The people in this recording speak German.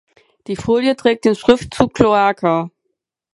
Die Folie trägt den Schriftzug „Cloaca“.